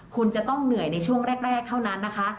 คุณจะต้องเหนื่อยในช่วงแรกเท่านั้นนะคะ